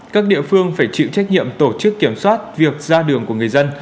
các địa phương phải chịu trách nhiệm tổ chức kiểm soát việc ra đường của người dân